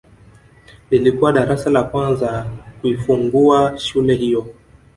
Lilikuwa darasa la kwanza kuifungua shule hiyo